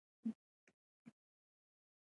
مزارشریف د افغان کورنیو د دودونو مهم عنصر دی.